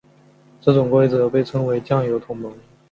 这种规则被称为酱油同盟。